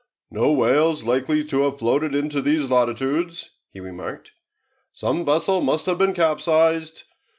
"No whale is likely to have floated into these latitudes," he remarked; "some vessel must have been capsized.